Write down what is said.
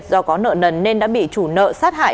do có nợ nần nên đã bị chủ nợ sát hại